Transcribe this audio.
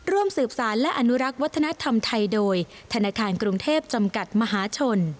ร่วมสืบสารและอนุรักษ์วัฒนธรรมไทยโดยธนาคารกรุงเทพจำกัดมหาชน